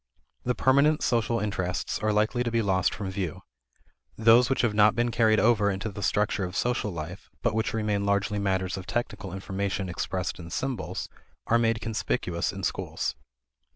The permanent social interests are likely to be lost from view. Those which have not been carried over into the structure of social life, but which remain largely matters of technical information expressed in symbols, are made conspicuous in schools.